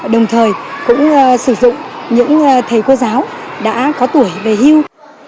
đồng thời cũng sử dụng những thầy cô giáo đã có tuổi về hưu